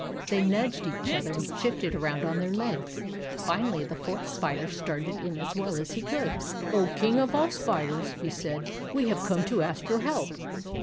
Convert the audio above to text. They nudged each other, and shifted around on their legs. Finally, the Fourth Spider started in as well as he could. " O King of all the Spiders," he said, " we have come to ask your help.